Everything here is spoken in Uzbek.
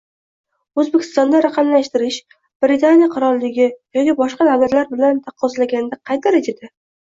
Oʻzbekistonda raqamlashtirish Britaniya Qirolligi yoki boshqa davlatlar bilan taqqoslaganda qay darajada?